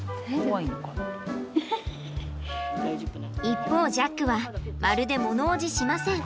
一方ジャックはまるで物おじしません。